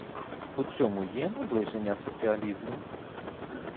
У цьому є наближення соціалізму?